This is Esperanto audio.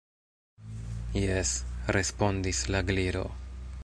"Jes," respondis la Gliro.